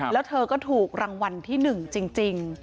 แล้วเธอก็ถูกรางวัลที่๑จริง